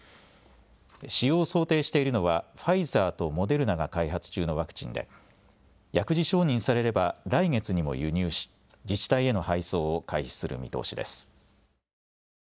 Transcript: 使用を想定しているのはファイザーとモデルナが開発中のワクチンで薬事承認されれば来月にも輸入し自治体への配送を開始する見通しです。